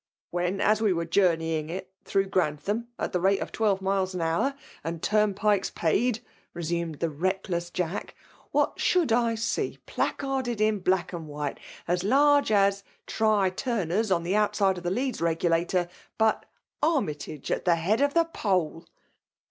" When, as we were journeying it through Grantham at the rate of twelve miles an hour> and turnpikes paid/' resumed the reckless V I Jack, " what should I see placarded in black and white, as large as * Try Turner's,* on the outside of the Leeds Regulator, but ' Army tage at the head of the poll